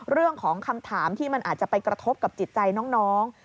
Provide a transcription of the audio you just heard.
เรื่องของคำถามที่มันอาจจะไปกระทบกับจิตใจน้อง